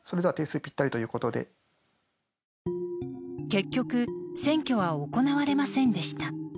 結局、選挙は行われませんでした。